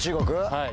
はい。